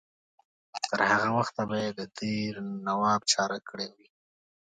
تر هغه وخته به یې د دیر نواب چاره کړې وي.